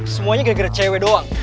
semuanya gara gara cewek doang